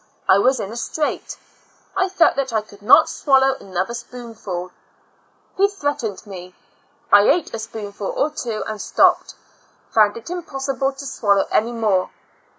I was in a strait; I felt that IN A L UNA TIC A STL mi, *J g I could not swallow anothei^spoonfalj he threatened; I ate a spoonful or two and stopped; found it impossible to swallow any more.